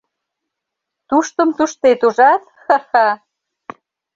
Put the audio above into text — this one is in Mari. — Туштым туштет, ужат, ха-ха!..